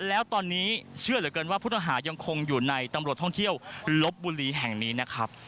แล้วตอนนี้เชื่อเหลือเกินว่าผู้ต้องหายังคงอยู่ในตำรวจท่องเที่ยวลบบุรีแห่งนี้นะครับ